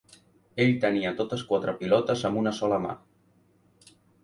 Ell tenia totes quatre pilotes amb una sola mà.